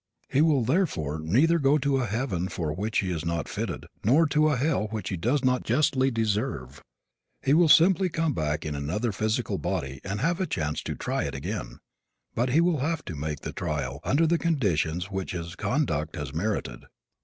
He will therefore neither go to a heaven for which he is not fitted nor to a hell which he does not justly deserve. He will simply come back in another physical body and have a chance to try it again, but he will have to make the trial under the conditions which his conduct has merited.